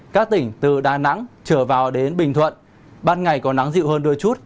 các tỉnh từ đà nẵng trở vào đến bình thuận ban ngày có nắng dịu hơn đôi chút